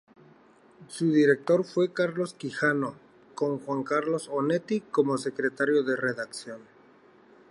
Su director fue Carlos Quijano, con Juan Carlos Onetti como secretario de redacción.